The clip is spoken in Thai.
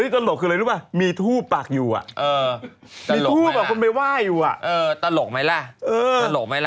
ตลกมั้ยล่ะ